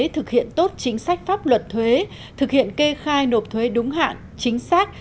thực hiện tốt chính sách pháp luật thuế thực hiện kê khai nộp thuế đúng hạn chính xác